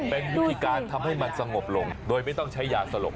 เป็นวิธีการทำให้มันสงบลงโดยไม่ต้องใช้ยาสลบ